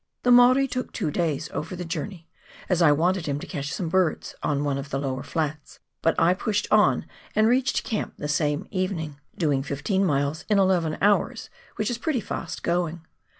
The Maori took two days over the jcurney, as I wanted him to catch some birds on one of the lower flats, but I pushed on and reached camp the same evening, doing the fifteen miles in eleven hours, which is pretty fast going.